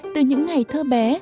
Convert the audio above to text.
từ những ngày thơ bé